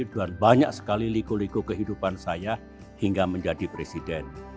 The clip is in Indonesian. dan banyak sekali liku liku kehidupan saya hingga menjadi presiden